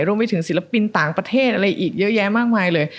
รวมไปถึงศิลปินต่างประเทศอะไรอีกเยอะแยะมากมายเลย